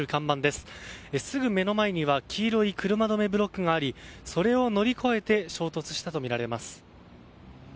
すぐ目の前には黄色い車止めブロックがありそれを乗り越えて衝突したとみられます。